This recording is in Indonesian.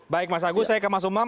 baik mas agus saya ke mas umam